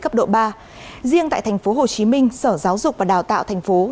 trong dây cấp độ ba riêng tại tp hcm sở giáo dục và đào tạo tp hcm